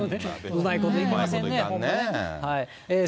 うまいこといきませんね、ほんまね。